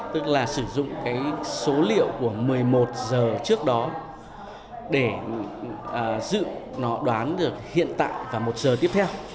tức là sử dụng cái số liệu của một mươi một giờ trước đó để dự nó đoán được hiện tại và một giờ tiếp theo